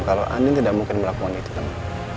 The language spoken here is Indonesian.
kalau andi tidak mungkin melakukan itu teman